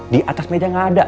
di atas meja gak ada